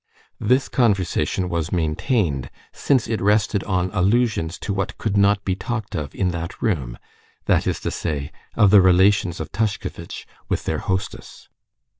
This conversation was maintained, since it rested on allusions to what could not be talked of in that room—that is to say, of the relations of Tushkevitch with their hostess.